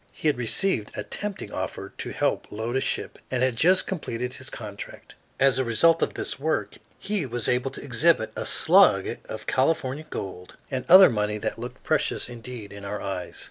He had received a tempting offer to help load a ship and had just completed his contract. As a result of this work, he was able to exhibit a slug of California gold and other money that looked precious indeed in our eyes.